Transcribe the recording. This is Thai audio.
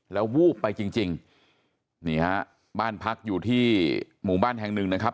แล้ววูบไปจริงจริงนี่ฮะบ้านพักอยู่ที่หมู่บ้านแห่งหนึ่งนะครับ